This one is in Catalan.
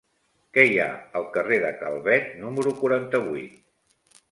Què hi ha al carrer de Calvet número quaranta-vuit?